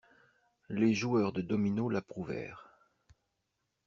Les joueurs de dominos l'approuvèrent.